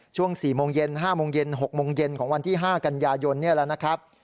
ช่วง๔โมงเย็น๕โมงเย็น๖โมงเย็นของวันที่๕กันยายนนี่แหละนะครับ